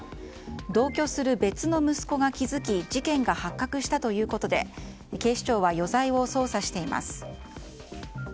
同居する別の息子が気づき事件が発覚したということで警視庁は余罪を捜査しています。